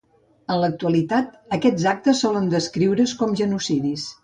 En l'actualitat, aquests actes solen descriure's com genocidis.